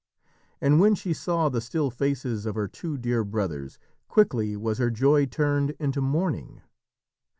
And when she saw the still faces of her two dear brothers, quickly was her joy turned into mourning.